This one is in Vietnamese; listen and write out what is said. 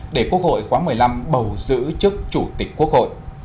để quốc hội khóa một mươi năm bầu giữ chức chủ tịch quốc hội